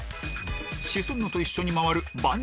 シソンヌと一緒に回るの４人。